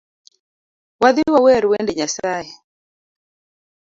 Wadhi wawer wende Nyasaye